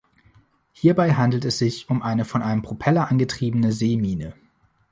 Hierbei handelt es sich um eine von einem Propeller angetriebene Seemine.